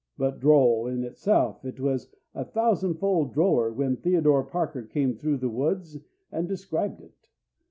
But droll in itself, it was a thousandfold droller when Theodore Parker came through the woods and described it.